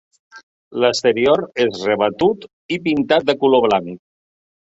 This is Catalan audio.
L'exterior és rebatut i pintat de color blanc.